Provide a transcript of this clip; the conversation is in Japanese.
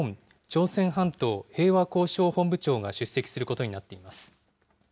朝鮮半島平和交渉本部長が出席することになっています。